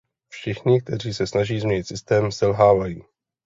Všichni, kteří se snaží změnit systém, selhávají.